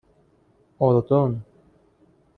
اردن